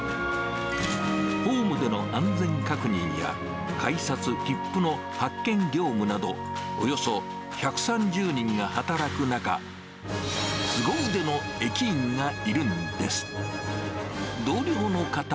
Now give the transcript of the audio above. ホームでの安全確認や、改札、切符の発券業務など、およそ１３０人が働く中、すご腕の駅員がいるんです。